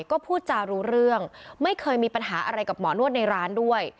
ก็พูดจารู้เรื่องไม่เคยมีปัญหาอะไรกับหมอนวดในร้านด้วย